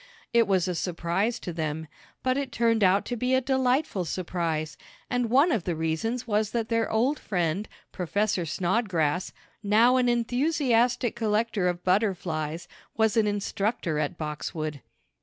It was a surprise to them, but it turned out to be a delightful surprise, and one of the reasons was that their old friend, Professor Snodgrass, now an enthusiastic collector of butterflies, was an instructor at Boxwood.